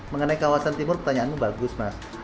mengenai kawasan timur pertanyaannya bagus mas